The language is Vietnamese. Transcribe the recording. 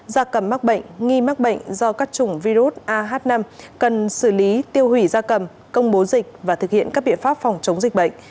gia cầm mắc bệnh nghi mắc bệnh do các chủng virus ah năm cần xử lý tiêu hủy gia cầm công bố dịch và thực hiện các biện pháp phòng chống dịch bệnh